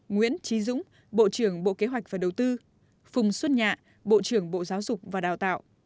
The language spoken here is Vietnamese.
nguyễn trí dũng bộ trưởng bộ kế hoạch và đầu tư phùng xuân nhạ bộ trưởng bộ giáo dục và đào tạo